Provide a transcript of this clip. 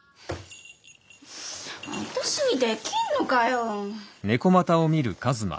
あたしにできんのかよ？